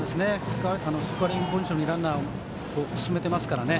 スコアリングポジションにランナーを進めていますからね。